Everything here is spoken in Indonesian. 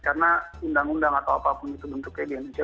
karena undang undang atau apapun itu bentuknya ganja